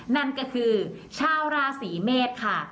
นั่นก็คือชาวราศีเมษค่ะ